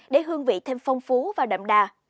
để hương vị thêm phong phú và đậm đà